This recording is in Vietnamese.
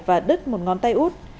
và đứt một ngón tay út